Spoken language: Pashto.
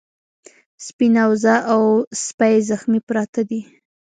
سپينه وزه او سپی زخمي پراته دي.